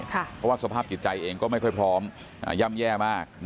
เพราะว่าสภาพจิตใจเองก็ไม่ค่อยพร้อมย่ำแย่มาก